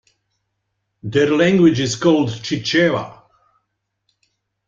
Their language is called Chichewa.